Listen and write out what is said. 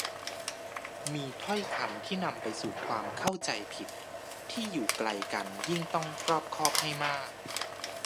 มีถ้อยคำที่นำไปสู่ความเข้าใจผิด ที่อยู่ไกลกันยิ่งต้องรอบคอบให้มาก